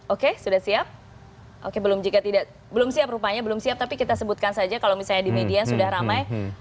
oke sudah siap oke belum jika belum siap rupanya belum siap tapi kita sebutkan saja kalau misalnya di media sudah ramai